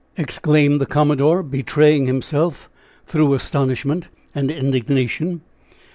exclaimed the commodore, betraying himself through astonishment and indignation.